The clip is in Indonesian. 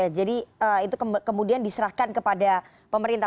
oke jadi itu kemudian diserahkan kepada pemerintah